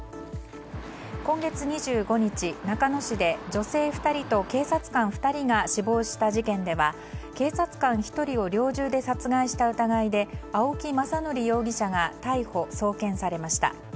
今月２５日、中野市で女性２人と警察官２人が死亡した事件では警察官１人を猟銃で殺害した疑いで青木政憲容疑者が逮捕・送検されました。